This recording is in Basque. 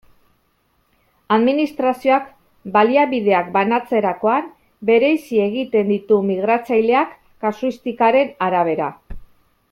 Administrazioak baliabideak banatzerakoan bereizi egiten ditu migratzaileak, kasuistikaren arabera.